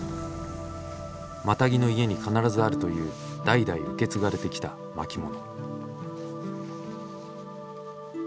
マタギの家に必ずあるという代々受け継がれてきた巻物。